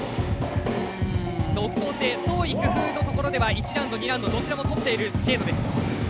独創性創意工夫のところでは１ラウンド２ラウンドどちらも取っているＳＨＡＤＥです。